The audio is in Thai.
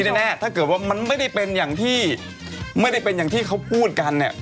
แน่ถ้าเกิดว่ามันไม่ได้เป็นอย่างที่ไม่ได้เป็นอย่างที่เขาพูดกันเนี่ย